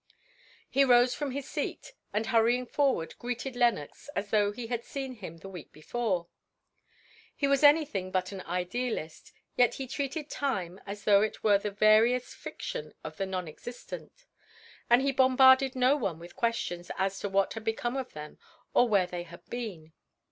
He rose from his seat, and hurrying forward, greeted Lenox as though he had seen him the week before. He was anything but an idealist, yet he treated Time as though it were the veriest fiction of the non existent, and he bombarded no one with questions as to what had become of them, or where had they been.